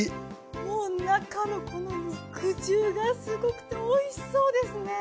もう中のこの肉汁がすごくておいしそうですね！